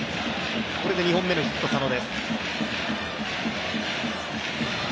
これで２本目のヒット、佐野です。